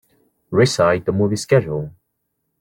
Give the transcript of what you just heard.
Recite the movie schedule.